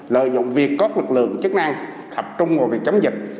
lợi dụng việc có lực lượng chức năng thập trung vào việc chống dịch